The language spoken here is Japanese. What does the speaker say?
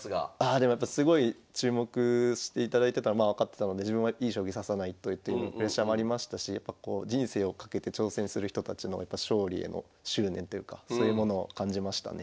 すごい注目していただいてたのまあ分かってたので自分はいい将棋指さないとっていうプレッシャーもありましたし人生を懸けて挑戦する人たちのやっぱ勝利への執念というかそういうものを感じましたね。